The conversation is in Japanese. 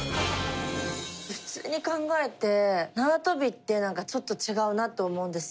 普通に考えて縄跳びってなんかちょっと違うなと思うんですよ。